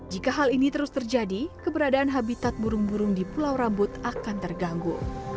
jika hal ini terus terjadi keberadaan habitat burung burung di pulau rambut akan terganggu